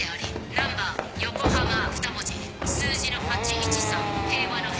ナンバー横浜ふた文字数字の８１３平和の「へ」